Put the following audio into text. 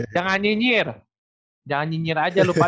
jangan nyinyir jangan nyinyir aja lu pada